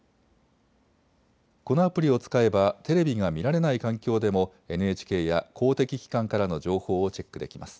このアプリを使えばテレビが見られない環境でもＮＨＫや公的機関からの情報をチェックできます。